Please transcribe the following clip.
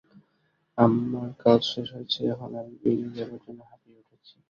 আমার কাজ শেষ হয়েছে, এখন আমি বেরিয়ে যাবার জন্য হাঁপিয়ে উঠেছি।